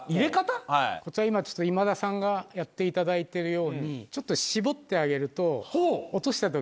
こちら今ちょっと今田さんがやっていただいてるようにちょっと。